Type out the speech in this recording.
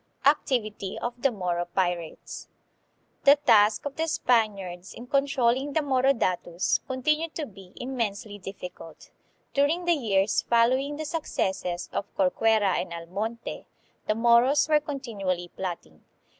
Activity of the Moro Pirates. The task of the Span iards in controlling the Moro datos continued to be immensely difficult. During the years following the successes of Corcuera and Almonte, the Moros were con tinually plotting.